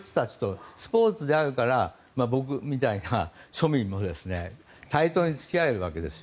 スポーツであるから僕みたいな庶民も対等に付き合えるわけです。